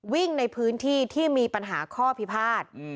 วิ่งในพื้นที่ที่มีปัญหาข้อพิพาท